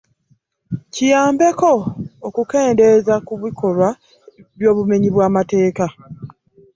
Kiyambeko okukendeeza ku bikolwa by'obumenyi bw'amateeka.